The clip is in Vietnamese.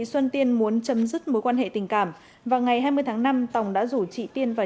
xuân tiên muốn chấm dứt mối quan hệ tình cảm vào ngày hai mươi tháng năm tòng đã rủ chị tiên và